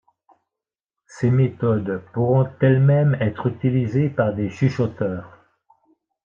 Ces méthodes pourront elles-mêmes être utilisées par des chuchoteurs.